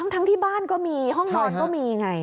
ทั้งที่บ้านก็มีห้องนอนก็มีไง